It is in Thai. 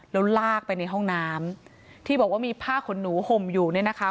แล้วลากไปในห้องน้ำที่บอกว่ามีผ้าขนหนูห่มอยู่เนี่ยนะคะ